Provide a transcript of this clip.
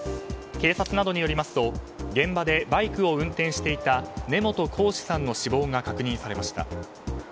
警察などによりますと現場でバイクを運転していた根本光士さんの死亡が確認されました。